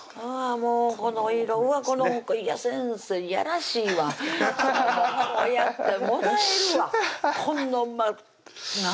もうこの色うわっ先生やらしいわこうやってもだえるわこの何？